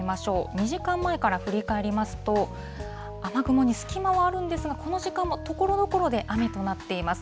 ２時間前から振り返りますと、雨雲に隙間はあるんですが、この時間もところどころで雨となっています。